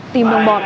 tìm nông bọn